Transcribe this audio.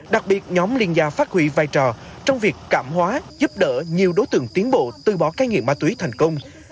đặc biệt nhóm liên gia phát huy vai trò trong việc cảm hóa giúp đỡ nhiều đối tượng tiến bộ từ bỏ ca nghiện ma túy thành công